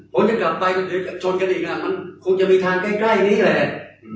ผมจะกลับไปหรือชนกันอีกมันคงจะมีทางใกล้นี่แหละ